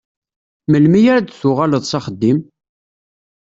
Melmi ara d-tuɣaleḍ s axeddim?